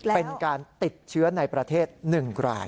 เป็นการติดเชื้อในประเทศ๑ราย